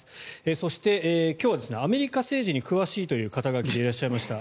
そして今日はアメリカ政治に詳しいという肩書でいらっしゃいました。